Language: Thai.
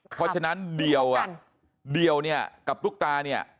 เพราะฉะนั้นเดียวกับตุ๊กตาเนี่ย